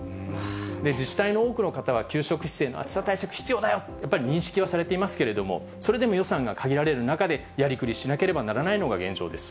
自治体の多くの方は、給食室への暑さ対策必要だよ、やっぱり認識はされていますけれども、それでも予算が限られる中で、やりくりしなければならないのが現状です。